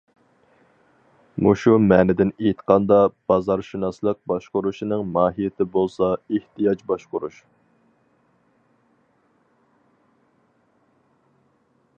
مۇشۇ مەنىدىن ئېيتقاندا، بازارشۇناسلىق باشقۇرۇشنىڭ ماھىيىتى بولسا ئېھتىياج باشقۇرۇش.